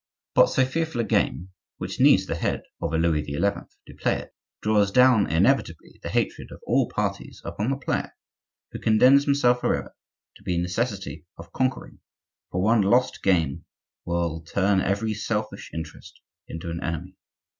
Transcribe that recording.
But so fearful a game, which needs the head of a Louis XI. to play it, draws down inevitably the hatred of all parties upon the player, who condemns himself forever to the necessity of conquering; for one lost game will turn every selfish interest into an enemy.